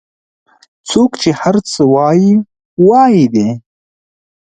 څوک چې هر څه وایي وایي دي